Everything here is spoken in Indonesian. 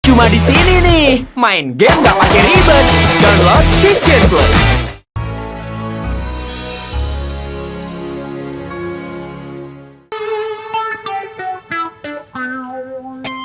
cuma di sini nih main game gak pake ribet